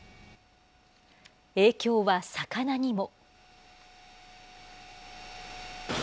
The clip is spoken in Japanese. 影響は魚にも。